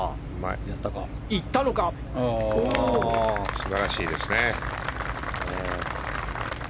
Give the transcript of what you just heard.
素晴らしいですね。